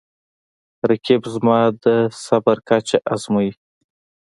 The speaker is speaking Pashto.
رقیب زما د صبر کچه ازموي